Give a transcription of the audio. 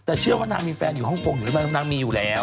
แต่เชื่อว่านางมีแฟนอยู่ฮ่องกงอยู่หรือเปล่านางมีอยู่แล้ว